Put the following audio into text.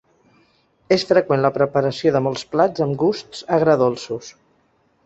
És freqüent la preparació de molts plats amb gusts agredolços.